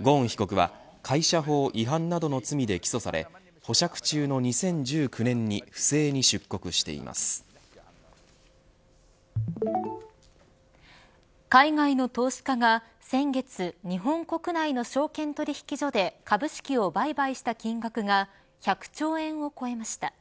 ゴーン被告は会社法違反などの罪で起訴され保釈中の２０１９年に海外の投資家が先月、日本国内の証券取引所で株式を売買した金額が１００兆円を超えました。